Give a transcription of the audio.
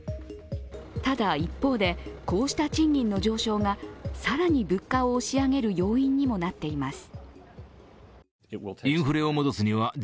ただ、一方でこうした賃金の上昇が更に物価を押し上げる要因にもなっています。